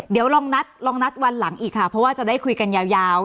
เดี๋ยวลองนัดลองนัดวันหลังอีกค่ะเพราะว่าจะได้คุยกันยาว